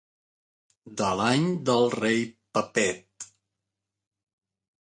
De l'any del rei Pepet.